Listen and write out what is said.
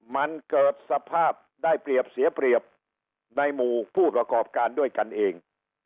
มันเกิดสภาพได้เปรียบเสียเปรียบในหมู่ผู้ประกอบการด้วยกันเอง